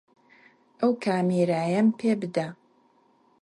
ئەو کامێرایەم پێ بدە.